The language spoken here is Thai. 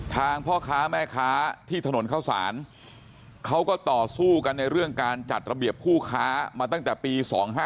พ่อค้าแม่ค้าที่ถนนเข้าสารเขาก็ต่อสู้กันในเรื่องการจัดระเบียบผู้ค้ามาตั้งแต่ปี๒๕๕๙